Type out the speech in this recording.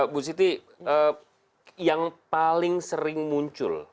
bu siti yang paling sering muncul